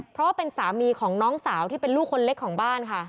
เพราะว่าเป็นสามีของน้องสาวที่เป็นลูกคนเล็กของบ้านค่ะ